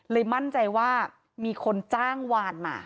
มั่นใจว่ามีคนจ้างวานมา